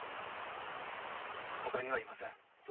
ほかにはいません。